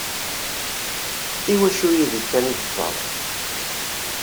Iwacu yid-i kan i d-tḍerru?